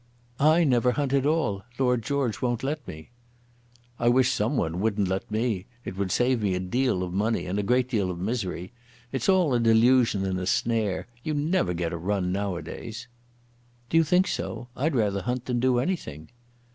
"I never hunt at all; Lord George won't let me." "I wish some one wouldn't let me. It would save me a deal of money, and a great deal of misery. It's all a delusion and a snare. You never get a run nowadays." "Do you think so? I'd rather hunt than do anything."